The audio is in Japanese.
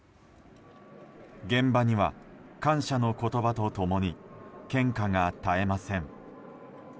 現場には、感謝の言葉と共に献花が絶えません。